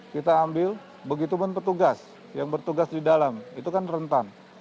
kita ambil begitu pun petugas yang bertugas di dalam itu kan rentan